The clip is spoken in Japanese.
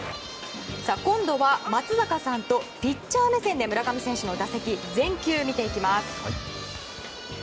今度は松坂さんとピッチャー目線で村上選手の打席を全球、見ていきます。